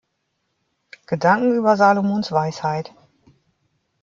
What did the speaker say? Gedanken über Salomons Weisheit.